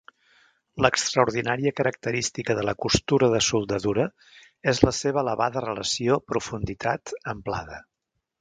L'extraordinària característica de la costura de soldadura és la seva elevada relació profunditat-amplada.